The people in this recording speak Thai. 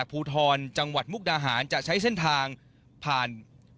คุณกะลินเชิญ